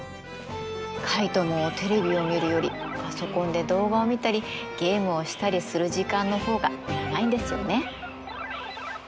カイトもテレビを見るよりパソコンで動画を見たりゲームをしたりする時間の方が長いんですよね。